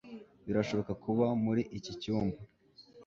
birashobora kuba muri iki cyumba